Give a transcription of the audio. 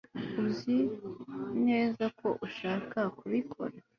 uzi neza ko ushaka kubikora